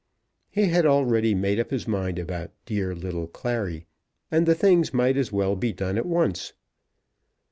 He had already made up his mind about "dear little Clary," and the thing might as well be done at once.